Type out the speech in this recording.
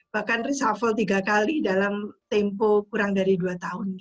bahkan reshuffle tiga kali dalam tempo kurang dari dua tahun